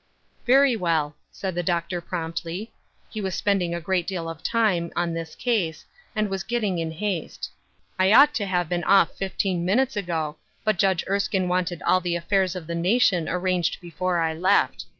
" Very well," answered the doctor, promptly. He was spending a great deal of time, on tliis case, and was getting in haste. "I ought to have been off fifteen minutes ago, but Judg^ Erskine wanted all the affairs of the nation arranged before I left.